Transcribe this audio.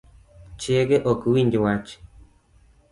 Chiege ok winj wach